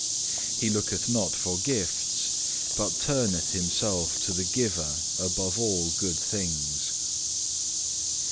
He looketh not for gifts, but turneth himself to the Giver above all good things.